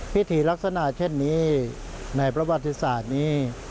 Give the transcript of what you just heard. พิธีลักษณะเช่นนี้ในประวัติศาสตร์นี้